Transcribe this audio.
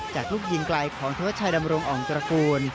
จากลูกยิงไกลของธวัชชัยดำรงอ่องตระกูล